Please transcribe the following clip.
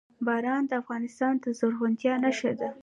باران د افغانستان د زرغونتیا نښه ده.